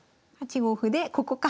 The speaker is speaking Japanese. ８五歩でここか。